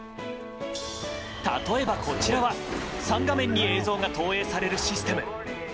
例えばこちらは３画面に映像が投影されるシステム。